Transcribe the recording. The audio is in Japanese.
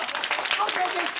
ＯＫです。